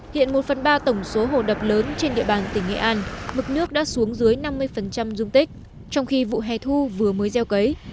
hiện một phần ba tổng số hồ đập lớn trên địa bàn tỉnh nghệ an mực nước đã xuống dưới năm mươi dung tích trong khi vụ hè thu vừa mới gieo cấy